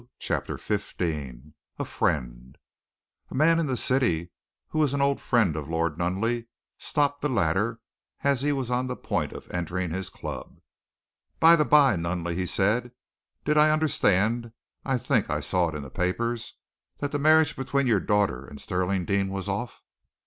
CHAPTER XV A FRIEND A man in the city, who was an old friend of Lord Nunneley, stopped the latter as he was on the point of entering his club. "By the bye, Nunneley," he said, "did I understand I think I saw it in the papers that the marriage between your daughter and Stirling Deane was off?"